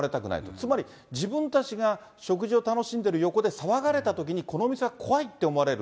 つまり、自分たちが食事を楽しんでる横で騒がれたときに、この店は怖いと思われる。